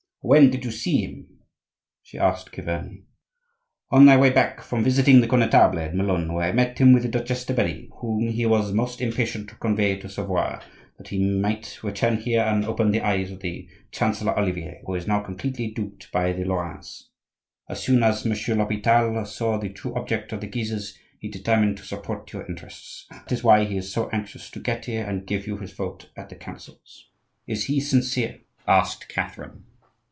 "When did you see him?" she asked Chiverni. "On my way back from visiting the Connetable, at Melun, where I met him with the Duchesse de Berry, whom he was most impatient to convey to Savoie, that he might return here and open the eyes of the chancellor Olivier, who is now completely duped by the Lorrains. As soon as Monsieur l'Hopital saw the true object of the Guises he determined to support your interests. That is why he is so anxious to get here and give you his vote at the councils." "Is he sincere?" asked Catherine.